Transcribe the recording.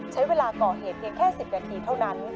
ใช้เวลาก่อเหตุเพียงแค่๑๐นาทีเท่านั้น